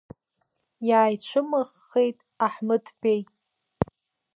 Иааицәымыӷхеит Аҳмыҭбеи.